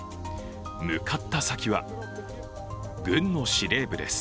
向かった先は、軍の司令部です。